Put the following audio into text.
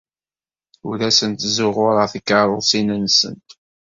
Ur asent-zzuɣureɣ tikeṛṛusin-nsent.